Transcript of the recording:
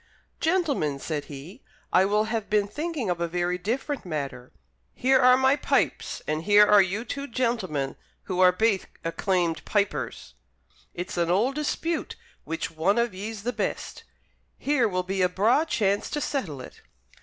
"Gentlemen," said he, "I will have been thinking of a very different matter. Here are my pipes, and here are you two gentlemen who are baith acclaimed pipers. It's an auld dispute which one of ye's the best. Here will be a braw chance to settle it."